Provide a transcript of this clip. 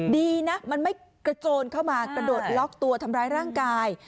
ดีนะมันไม่กระโจนเข้ามากระโดดล็อกตัวทำร้ายร่างกาย